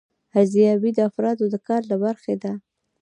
ارزیابي د افرادو د کار له برخې ده.